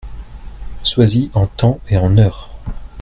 Sois-y en temps et en heure !